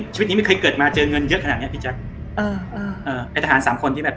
ชีวิตนี้ไม่เคยเกิดมาเจอเงินเยอะขนาดเนี้ยพี่แจ๊คเอออ่าเอ่อไอ้ทหารสามคนที่แบบ